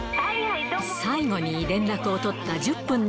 最後に連絡を取った１０分の